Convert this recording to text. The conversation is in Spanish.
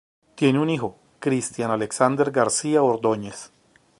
Tiene un hijo, Christian Alexander García Ordóñez.